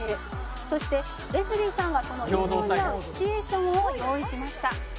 「そしてレスリーさんがその衣装に合うシチュエーションを用意しました」